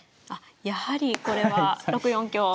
あっやはりこれは６四香。